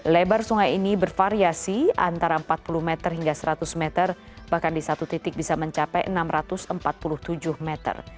lebar sungai ini bervariasi antara empat puluh meter hingga seratus meter bahkan di satu titik bisa mencapai enam ratus empat puluh tujuh meter